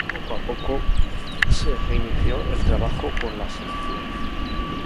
Poco a poco, se reinició el trabajo con la selección.